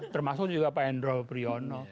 termasuk juga pak hendro priyono